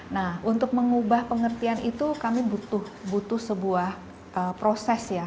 nah untuk mengubah pengertian itu kami butuh sebuah proses ya